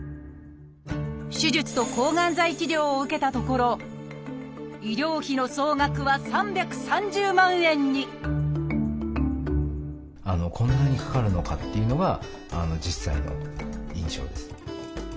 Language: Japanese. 手術と抗がん剤治療を受けたところ医療費の総額は３３０万円にっていうのが実際の印象です。